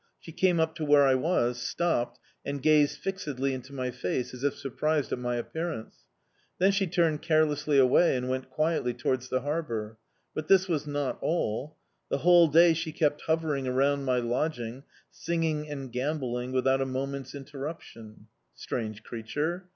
She came up to where I was, stopped, and gazed fixedly into my face as if surprised at my presence. Then she turned carelessly away and went quietly towards the harbour. But this was not all. The whole day she kept hovering around my lodging, singing and gambolling without a moment's interruption. Strange creature!